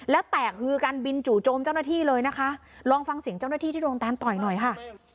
แล้วแตกฮือกันบินจู่โจมเจ้าหน้าที่เลยนะคะลองฟังเสียงเจ้าหน้าที่ที่โดนตามต่อยหน่อยค่ะ